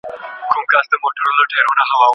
ولي مږور او ميره دائمي محرمات دي؟